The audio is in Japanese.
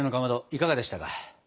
いかがでしたか？